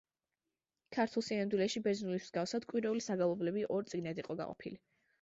ქართულ სინამდვილეში, ბერძნულის მსგავსად, კვირეულის საგალობლები ორ წიგნად იყო გაყოფილი.